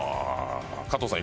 加藤さん